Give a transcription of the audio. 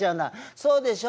「そうでしょ？